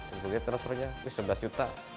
tunggu lihat transfernya wih rp sebelas juta